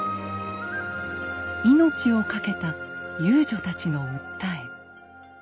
命を懸けた遊女たちの訴え。